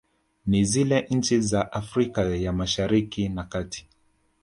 Ni zile nchi za Afrika ya mashariki na kati